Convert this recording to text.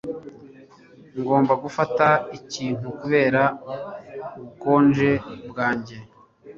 Ngomba gufata ikintu kubera ubukonje bwanjye